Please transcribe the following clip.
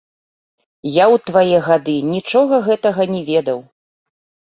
Я ў твае гады нічога гэтага не ведаў.